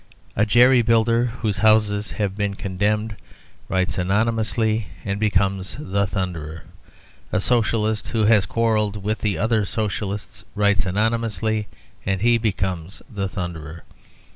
A jerry builder whose houses have been condemned writes anonymously and becomes the Thunderer. A Socialist who has quarrelled with the other Socialists writes anonymously, and he becomes the Thunderer.